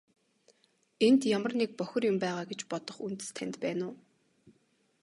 Энд ямар нэг бохир юм байгаа гэж бодох үндэс танд байна уу?